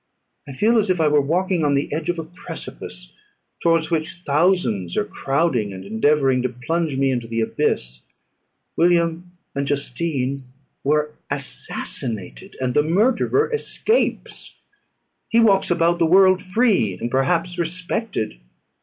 I feel as if I were walking on the edge of a precipice, towards which thousands are crowding, and endeavouring to plunge me into the abyss. William and Justine were assassinated, and the murderer escapes; he walks about the world free, and perhaps respected.